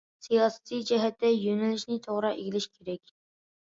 سىياسىي جەھەتتە، يۆنىلىشنى توغرا ئىگىلەش كېرەك.